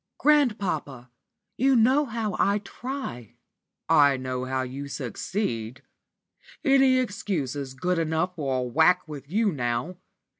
"Grandpapa! you know how I try." "I know how you succeed. Any excuse is good enough for a whack with you now.